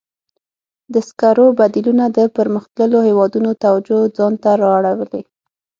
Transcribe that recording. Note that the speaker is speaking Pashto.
د سکرو بدیلونه د پرمختللو هېوادونو توجه ځان ته را اړولې.